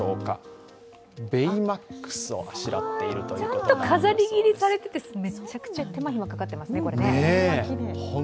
ちゃんと飾り切りされていて、めちゃくちゃ手間かかっていますね。